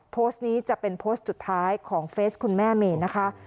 โพสต์นี้จะเป็นโพสต์สุดท้ายของเฟสคุณแม่เมย์นะคะ